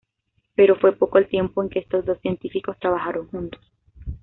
Pero fue poco el tiempo en que estos dos científicos trabajaron juntos.